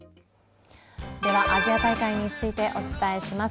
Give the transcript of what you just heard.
ではアジア大会についてお伝えします。